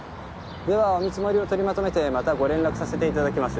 ではお見積もりを取りまとめてまたご連絡させていただきます。